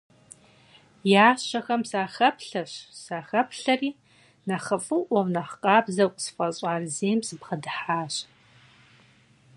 Ящэхэм сахэплъэщ-сахэплъэри нэхъыфӀыӀуэу, нэхъ къабзэу къысфӀэщӀар зейм сыбгъэдыхьащ.